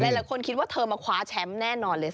หลายคนคิดว่าเธอมาคว้าแชมป์แน่นอนเลย